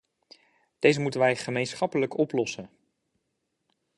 Deze moeten wij gemeenschappelijk oplossen.